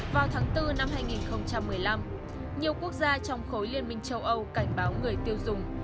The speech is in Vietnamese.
vào tháng bốn năm hai nghìn một mươi năm nhiều quốc gia trong khối liên minh châu âu cảnh báo người tiêu dùng